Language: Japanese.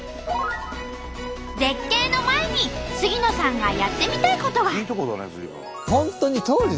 絶景の前に杉野さんがやってみたいことが。